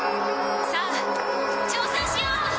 さあ、挑戦しよう！